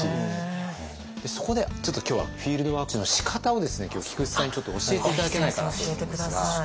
そこでちょっと今日はフィールドワークのしかたをですね今日菊地さんにちょっと教えて頂けないかなと思うんですが。